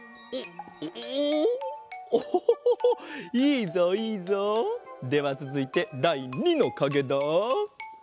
いいぞいいぞ。ではつづいてだい２のかげだ！